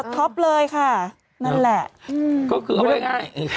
ท็อปเลยค่ะเนี่ยแหละ